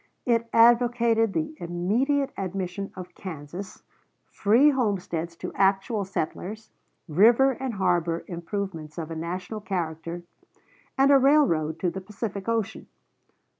It advocated the immediate admission of Kansas, free homesteads to actual settlers, river and harbor improvements of a national character, and a railroad to the Pacific Ocean.